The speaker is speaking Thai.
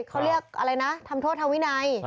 เขาเรียกอะไรนะทำโทษทางวินัย